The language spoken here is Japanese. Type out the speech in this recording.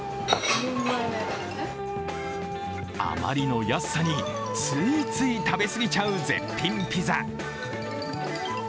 あまりの安さに、ついつい食べすぎちゃう絶品ピザ。